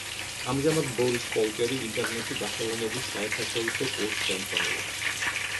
ამჟამად ბორის კოლკერი ინტერნეტში დახელოვნების საერთაშორისო კურსს ხელმძღვანელობს.